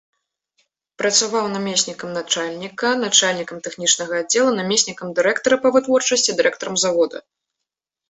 Працаваў намеснікам начальніка, начальнікам тэхнічнага аддзела, намеснікам дырэктара па вытворчасці, дырэктарам завода.